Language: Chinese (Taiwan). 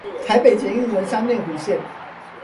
台北捷運文山內湖線